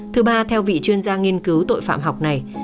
thứ ba theo vị chuyên gia nghiên cứu tội phạm học này